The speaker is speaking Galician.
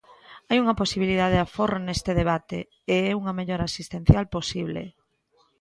Hai unha posibilidade de aforro neste debate, e é unha mellora asistencial posible.